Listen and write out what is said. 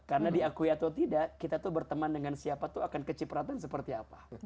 karena diakui atau tidak kita tuh berteman dengan siapa tuh akan kecipratan seperti apa